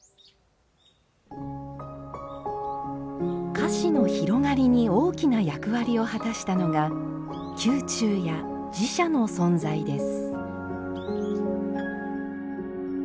菓子の広がりに大きな役割を果たしたのが宮中や寺社の存在です。